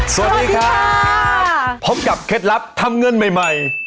สวัสดีครับพบกับเคล็ดลับทำเงินใหม่ใหม่